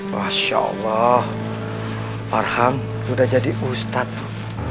masya allah farham udah jadi ustadz